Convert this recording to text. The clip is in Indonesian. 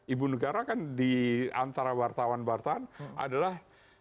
ibu negara kan di antara wartawan wartawan adalah